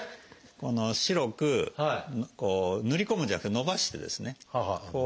白くこう塗り込むんじゃなくてのばしてですねこう。